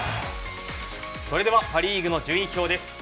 それではパ・リーグの順位表です。